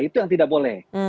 itu yang tidak boleh